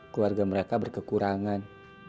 keluarga mereka berkekurangan